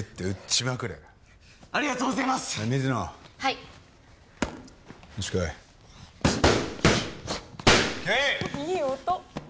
いい音！